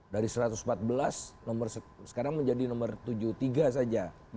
dari satu ratus empat belas sekarang menjadi nomor tujuh puluh tiga saja